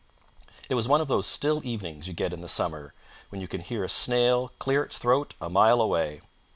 It was one of those still evenings you get in the summer, when you can hear a snail clear its throat a mile away.